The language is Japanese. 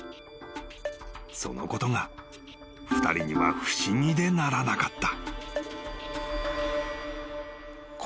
［そのことが２人には不思議でならなかった］